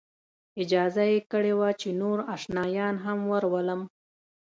اجازه یې کړې وه چې نور آشنایان هم ورولم.